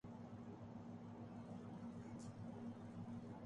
ایرانیوں کا نیا سال تو نوروز ہے جو مارچ میں آتا ہے۔